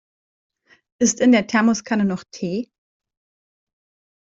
Ist in der Thermoskanne noch Tee?